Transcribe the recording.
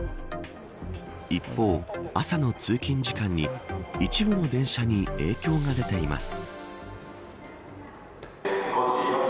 一方、朝の通勤時間に一部の電車に影響が出ています。